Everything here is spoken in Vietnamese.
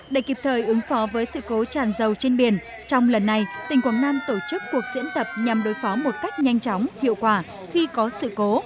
để kịp thời ứng phó với sự cố tràn dầu trên biển trong lần này tỉnh quảng nam tổ chức cuộc diễn tập nhằm đối phó một cách nhanh chóng hiệu quả khi có sự cố